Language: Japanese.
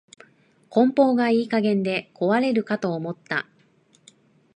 梱包がいい加減で壊れるかと思った